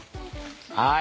はい。